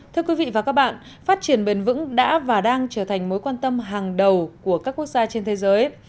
thưa quý vị và các bạn phát triển bền vững đã và đang trở thành mối quan tâm hàng đầu của các quốc gia trên thế giới